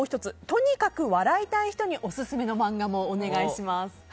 とにかく笑いたい人にオススメの漫画もお願いします。